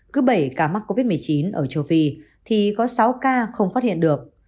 cứ bảy ca mắc covid một mươi chín ở châu phi thì có sáu ca không phát hiện được